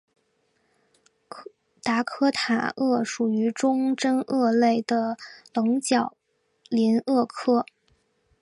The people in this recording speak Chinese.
达科塔鳄属于中真鳄类的棱角鳞鳄科。